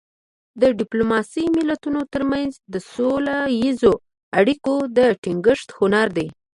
ډیپلوماسي د ملتونو ترمنځ د سوله اییزو اړیکو د ټینګښت هنر دی